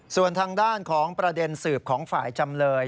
ส่วนทางด้านของประเด็นสืบของฝ่ายจำเลย